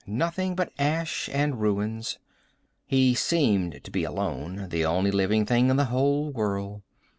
Nothing but ash and ruins. He seemed to be alone, the only living thing in the whole world.